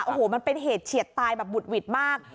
โอ้โหมันเป็นเหตุเฉียดตายแบบบุดหวิดมาก